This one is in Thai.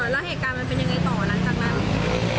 แล้วเหตุการณ์มันเป็นยังไงต่อหลังจากนั้น